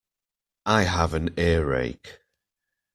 I have an earache